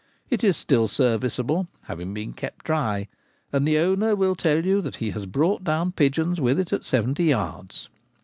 It is still serviceable, having been kept dry ; and the owner will tell you that he has brought down pigeons with it at seventy yards.